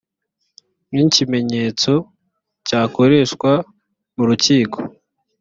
nk ikimenyetso cyakoreshwa mu rukiko